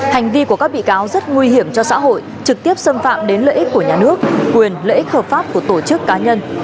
hành vi của các bị cáo rất nguy hiểm cho xã hội trực tiếp xâm phạm đến lợi ích của nhà nước quyền lợi ích hợp pháp của tổ chức cá nhân